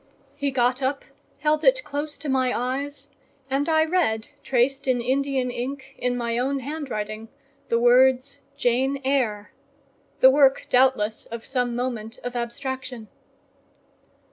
He got up, held it close to my eyes: and I read, traced in Indian ink, in my own handwriting, the words "JANE EYRE"—the work doubtless of some moment of abstraction.